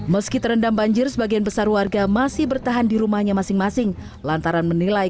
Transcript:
meski terendam banjir sebagian besar warga masih bertahan di rumahnya masing masing lantaran menilai